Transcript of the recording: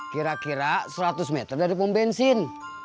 kira kira seratus meter dari pom bensin